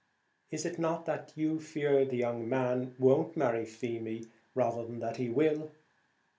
Is it not that you fear the young man won't marry Feemy, rather than that he will?"